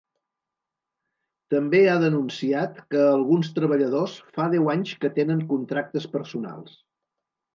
També ha denunciat que alguns treballadors fa deu anys que tenen contractes personals.